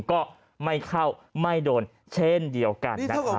ก็ไม่เข้าไม่โดนเช่นเดียวกันนะครับ